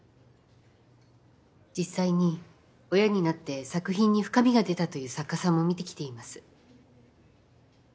実際に親になって作品に深みが出たという作家さんも見てきています。